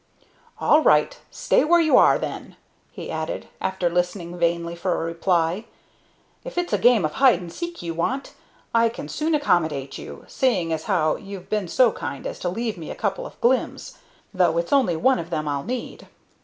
"All right; stay where you are then!" he added, after listening vainly for a reply. "If it's a game of hide and seek ye want, I can soon accommodate you, seeing as how you've been so kind as to leave me a couple of glims, though it's only one of them I'll need."